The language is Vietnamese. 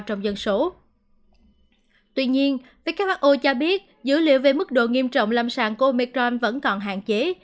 tuy nhiên who cho biết dữ liệu về mức độ nghiêm trọng lâm sàng của omicron vẫn còn hạn chế